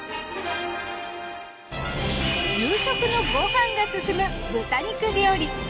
夕食のご飯がすすむ豚肉料理。